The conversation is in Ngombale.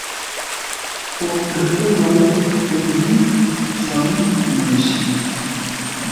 Poghʼ lə pə́ nou tə́ ngʉ́ tsə̌m məncǐ.